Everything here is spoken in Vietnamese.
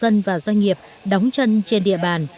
dân và doanh nghiệp đóng chân trên địa bàn